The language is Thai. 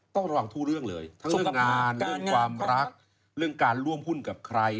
ต้องระวังทุกเรื่องเลยทั้งเรื่องงานเรื่องความรักเรื่องการร่วมหุ้นกับใคร